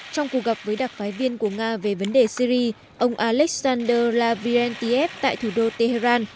trong cuộc gặp với đặc phái viên của nga về vấn đề syri ông alexander ravien tiev tại thủ đô tehran